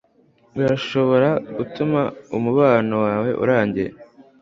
birashobora gutuma umubano wawe urangira